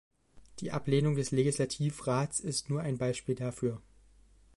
Die Ablehnung des Legislativrats ist nur ein Beispiel dafür.